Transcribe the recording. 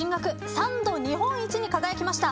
３度日本一に輝きました